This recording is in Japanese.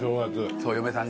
そう嫁さん